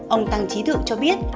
ông tăng trí thượng cho biết